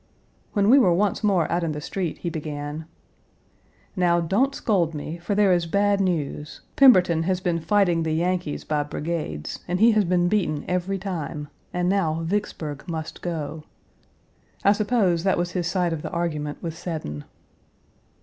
When we were once more out in the street, he began: "Now, don't scold me, for there is bad news. Pemberton has been fighting the Yankees by brigades, and he has been beaten every time; and now Vicksburg must go!" I suppose that was his side of the argument with Seddon.